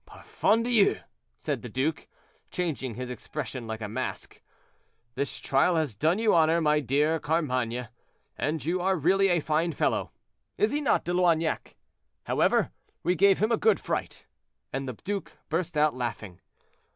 "Parfandious!" said the duke, changing his expression like a mask, "this trial has done you honor, my dear Carmainges, and you are really a fine fellow—is he not, De Loignac? However, we gave him a good fright;" and the duke burst out laughing.